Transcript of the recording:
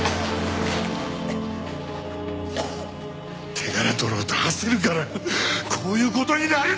手柄取ろうと焦るからこういう事になるんだよ！